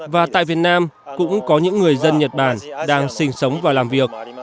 và tại việt nam cũng có những người dân nhật bản đang sinh sống và làm việc